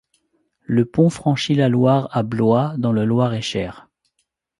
Le pont franchit la Loire à Blois dans le Loir-et-Cher.